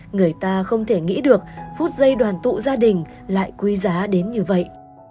người ta không thể nghĩ được phút giây đoàn tụ gia đình lại quý giá đến như vậy